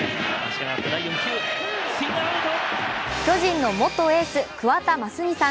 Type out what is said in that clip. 巨人の元とエース、桑田真澄さん。